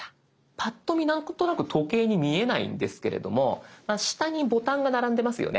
パッと見なんとなく時計に見えないんですけれども下にボタンが並んでますよね。